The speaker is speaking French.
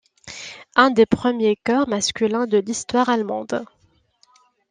Un des premiers chœurs masculins de l'histoire allemande.